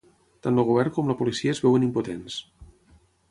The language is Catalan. Tant el govern com la policia es veuen impotents.